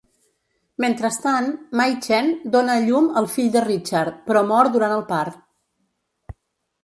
Mentrestant, Mai Chen dona a llum el fill de Richard, però mor durant el part.